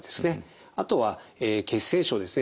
あとは血栓症ですね